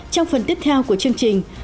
trong phần tiếp theo của chương trình